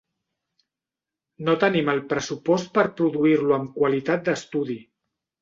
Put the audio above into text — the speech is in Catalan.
No tenim el pressupost per produir-lo amb qualitat d'estudi.